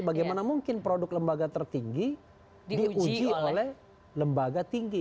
bagaimana mungkin produk lembaga tertinggi diuji oleh lembaga tinggi